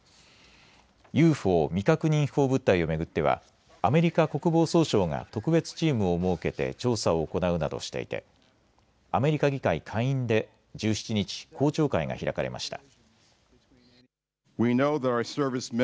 ＵＦＯ・未確認飛行物体を巡ってはアメリカ国防総省が特別チームを設けて調査を行うなどしていてアメリカ議会下院で１７日公聴会が開かれました。